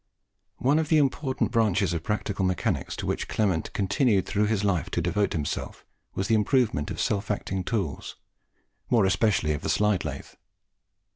One of the important branches of practical mechanics to which Clement continued through life to devote himself, was the improvement of self acting tools, more especially of the slide lathe.